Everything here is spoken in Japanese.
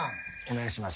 お願いします。